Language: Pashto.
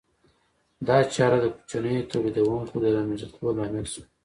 دا چاره د کوچنیو تولیدونکو د له منځه تلو لامل شوه